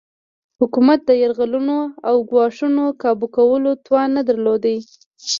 حکومت د یرغلونو او ګواښونو کابو کولو توان نه درلود.